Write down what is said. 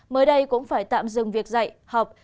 mới đây cũng phải tạm dừng việc dạy học